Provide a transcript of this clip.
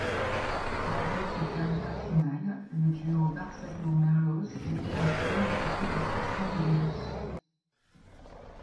Malgré cette dernière finale, le duo Barsalou-Merlos est évincé au profit de Christian Déléris.